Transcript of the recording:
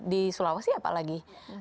di sulawesi apalagi